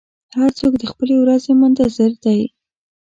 هر څوک د خپلې ورځې منتظر دی.